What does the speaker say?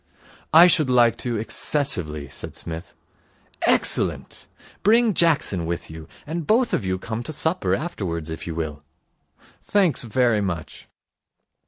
'I should like to excessively,' said Psmith. 'Excellent. Bring Jackson with you, and both of you come to supper afterwards, if you will.' 'Thanks very much.'